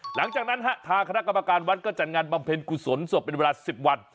หลังจากนั้นทางคณะกรรมการวัดก็จัดงานบำเพ็ญกุศลศพเป็นเวลา๑๐วัน